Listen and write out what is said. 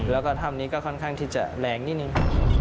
แล้วก็ถ้ำนี้ก็ค่อนข้างที่จะแรงนิดนึง